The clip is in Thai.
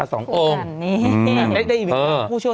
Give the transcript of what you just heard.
สวัสดีครับคุณผู้ชม